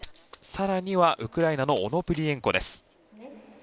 さらにはウクライナのオノプリエンコです。